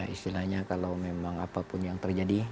istilahnya kalau memang apapun yang terjadi